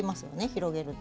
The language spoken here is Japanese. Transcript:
広げると。